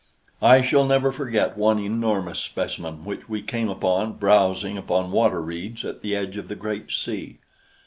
I shall never forget one enormous specimen which we came upon browsing upon water reeds at the edge of the great sea.